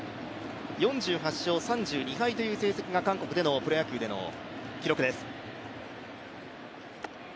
４８勝３２敗という成績が韓国でのプロ野球での記録です。